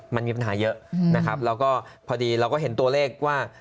มันมีปัญหาเยอะนะครับแล้วก็พอดีเราก็เห็นตัวเลขว่า